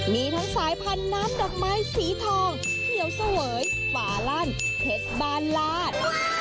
มีทั้งสายพันธุ์น้ำดอกไม้สีทองเขียวเสวยฟาลั่นเพชรบ้านลาด